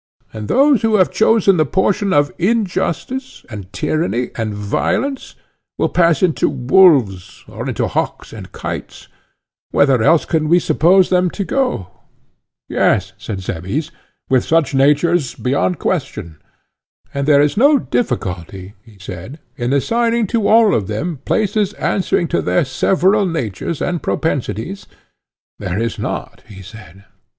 And those who have chosen the portion of injustice, and tyranny, and violence, will pass into wolves, or into hawks and kites;—whither else can we suppose them to go? Yes, said Cebes; with such natures, beyond question. And there is no difficulty, he said, in assigning to all of them places answering to their several natures and propensities? There is not, he said.